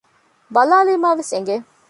ބަލާލީމައިވެސް އެނގެ